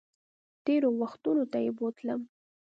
تېرو وختونو ته یې بوتلم